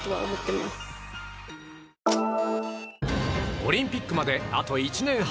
オリンピックまであと１年半。